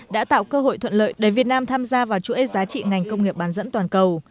đã tạo cơ hội thuận lợi để việt nam tham gia vào chuỗi giá trị ngành công nghiệp bán dẫn toàn cầu